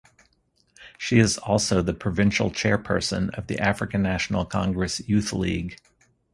She is also the provincial chairperson of the African National Congress Youth League.